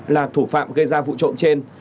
là thủ phạm gây ra vụ trộn trên